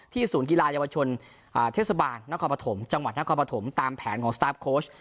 ที่ศูนย์กีฬาเยาวชนเทศบาลนักความประถมจังหวัดนักความประถมตามแผนของสตาร์ฟโค้ช